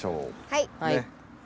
はい。